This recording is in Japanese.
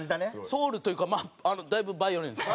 ソウルというかまあだいぶバイオレンス。